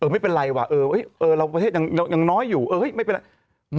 ไม่เป็นไรว่ะเราประเทศยังน้อยอยู่เออไม่เป็นไร